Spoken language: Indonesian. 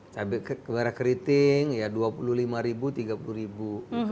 cabai merah keriting ya dua puluh lima ribu tiga puluh ribu